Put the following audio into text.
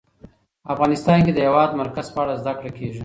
افغانستان کې د د هېواد مرکز په اړه زده کړه کېږي.